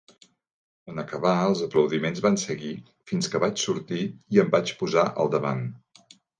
En acabar, els aplaudiments van seguir fins que vaig sortir i em vaig posar al davant.